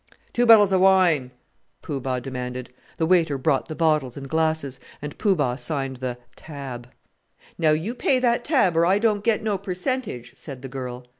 "Two bottles of wine!" Poo Bah demanded. The waiter brought the bottles and glasses, and Poo Bah signed the "tab." "Now you pay that tab, or I don't get no percentage," said the girl.